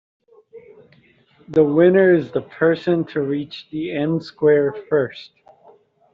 The winner is the person to reach the end square first.